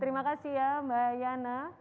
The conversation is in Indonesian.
terima kasih ya mbak yana